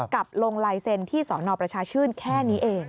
กับลงลายเซ็นต์ที่สนประชาชื่นแค่นี้เอง